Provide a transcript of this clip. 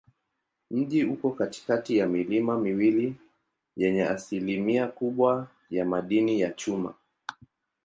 Mji uko katikati ya milima miwili yenye asilimia kubwa ya madini ya chuma.